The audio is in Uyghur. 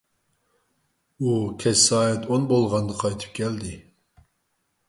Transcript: ئۇ كەچ سائەت ئون بولغاندا قايتىپ كەلدى.